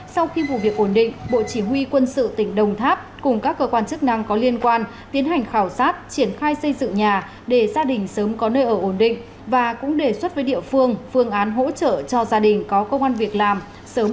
sau khi vụ việc ổn định bộ chỉ huy quân sự tỉnh đồng tháp cùng các cơ quan chức năng có liên quan tiến hành khảo sát triển khai xây dựng nhà để gia đình sớm có nơi ở ổn định và cũng đề xuất với địa phương phương án hỗ trợ cho gia đình có công an việc làm sớm